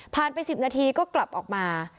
ไป๑๐นาทีก็กลับออกมา